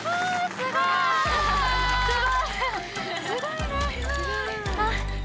すごいね。